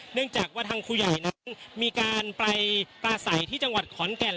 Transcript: เนื่องจากว่าทางผู้ใหญ่นั้นมีการไปปลาใสที่จังหวัดขอนแก่น